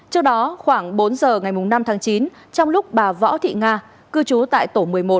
trước đó khoảng bốn giờ ngày năm tháng chín trong lúc bà võ thị nga cư trú tại tổ một mươi một